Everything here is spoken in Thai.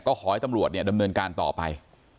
ก็ขอให้ตำรวจเนี่ยดำเนินการต่อไป